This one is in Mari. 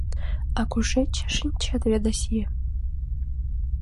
— А кушеч шинчет, Ведаси?